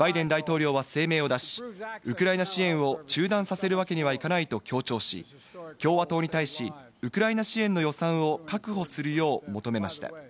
バイデン大統領は声明を出し、ウクライナ支援を中断させるわけにはいかないと強調し、共和党に対しウクライナ支援の予算を確保するよう求めました。